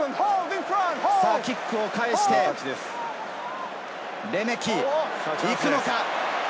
キックを返して、レメキ。いくのか。